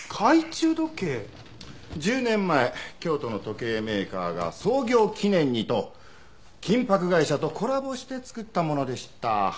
１０年前京都の時計メーカーが創業記念にと金箔会社とコラボして作ったものでした。